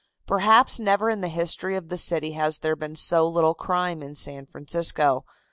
Perhaps never in the history of the city has there been so little crime in San Francisco.